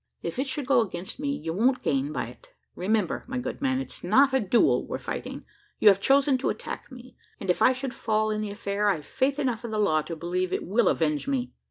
If it should go against me, you won't gain by it. Remember, my good man, it's not a duel we're fighting! You have chosen to attack me; and if I should fall in the affair, I've faith enough in the law to believe it will avenge me."